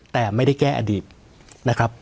แต่ไม่ได้แก้อดีตนะครับ